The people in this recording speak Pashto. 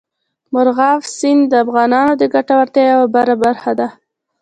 مورغاب سیند د افغانانو د ګټورتیا یوه برخه ده.